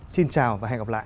xin chào và hẹn gặp lại